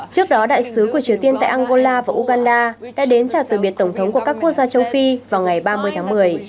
trước đó đại sứ của triều tiên tại angola và uganda đã đến trả từ biệt tổng thống của các quốc gia châu phi vào ngày ba mươi tháng một mươi